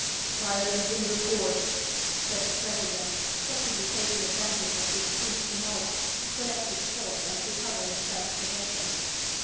" Silence in the court !" said the president, possibly taking advantage of this brief tumult to collect his thoughts and recover his self possession.